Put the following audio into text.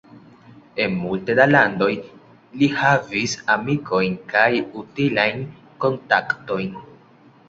En multe da landoj li havis amikojn kaj utilajn kontaktojn.